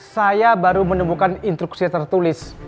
saya baru menemukan instruksi tertulis